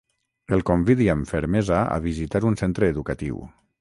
El convidi amb fermesa a visitar un centre educatiu.